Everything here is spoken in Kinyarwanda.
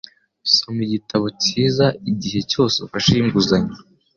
Soma igitabo cyiza igihe cyose ufashe inguzanyo